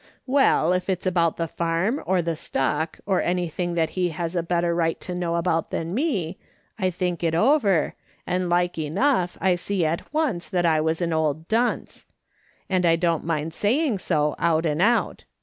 Well, if it's about the farm, or the stock, or anything that he has a better right to know about than me, I think it over, and like enough I see at once that I was an old dunce ; and I don't mind saying so, out and out.